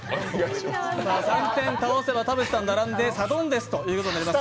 ３点倒せば田渕さんに並んでサドンデスということになります。